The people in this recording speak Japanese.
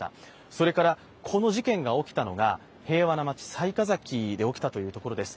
それから、この事件が起きたのが平和な町、雑賀崎で起きたということです。